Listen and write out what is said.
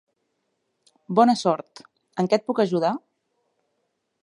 Bona sort. En què et puc ajudar?